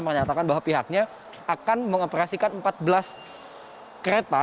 menyatakan bahwa pihaknya akan mengoperasikan empat belas kereta